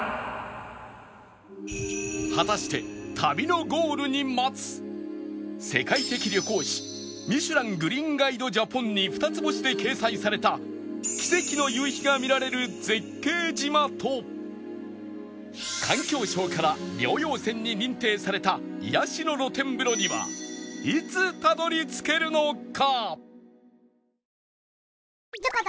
果たして旅のゴールに待つ世界的旅行誌『ミシュラン・グリーンガイド・ジャポン』に二つ星で掲載された奇跡の夕日が見られる絶景島と環境省から療養泉に認定された癒やしの露天風呂にはいつたどり着けるのか？